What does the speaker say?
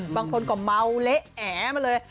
บางคนก็เมาเละแอมาเลย